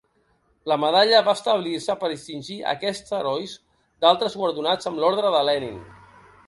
La medalla va establir-se per distingir aquests herois d'altres guardonats amb l'Ordre de Lenin.